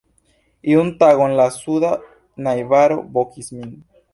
Iun tagon la suda najbaro vokis min.